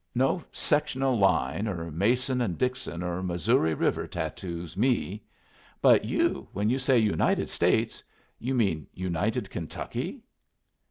No sectional line, or Mason and Dixon, or Missouri River tattoos me. But you, when you say United States, you mean United Kentucky!"